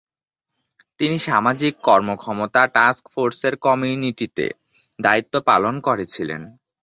তিনি সামাজিক কর্মক্ষমতা টাস্ক ফোর্সের কমিটিতে দায়িত্ব পালন করেছিলেন।